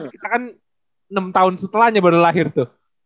kita kan enam tahun setelahnya baru lahir tuh